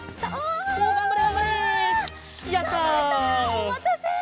おまたせ。